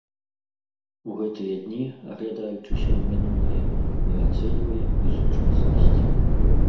У гэтыя дні, аглядаючыся ў мінулае, мы ацэньваем і сучаснасць.